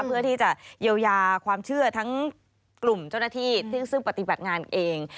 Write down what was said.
เพื่อที่จะเยียวยาความเชื่อทั้งกลุ่มเจ้าหน้าที่ซึ่งปฏิบัติงานเอง